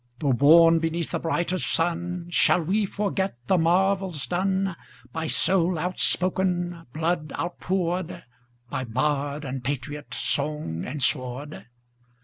Though born beneath a brighter sun, Shall we forget the marvels done, By soul outspoken, blood outpoured, By bard and patriot, song and sword?